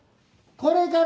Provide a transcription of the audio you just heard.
これから。